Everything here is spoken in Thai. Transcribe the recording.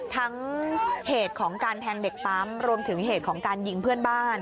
เหตุของการแทงเด็กปั๊มรวมถึงเหตุของการยิงเพื่อนบ้าน